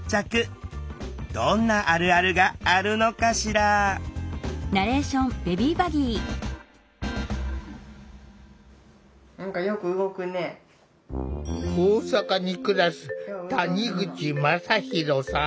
どんなあるあるがあるのかしら大阪に暮らす谷口真大さん。